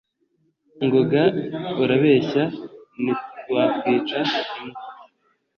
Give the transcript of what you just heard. ngoga urabeshya ntiwakwica imbwa